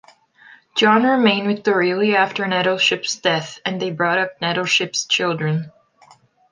John remained with Dorelia after Nettleship's death, and they brought up Nettleship's children.